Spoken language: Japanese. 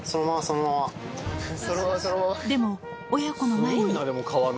でも、親子の前に。